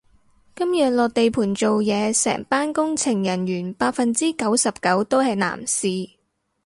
今日落地盤做嘢，成班工程人員百分之九十九都係男士